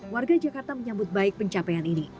warga jakarta menyambut baik pencapaian ini